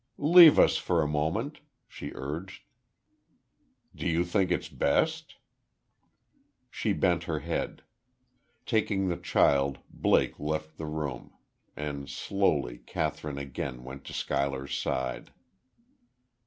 "Leave us for a moment," she urged. "Do you think it best?" She bent her head. Taking the child, Blake left the room. And slowly Kathryn again went to Schuyler's side.